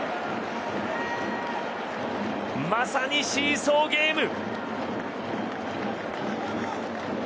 まさにシーソーゲーム！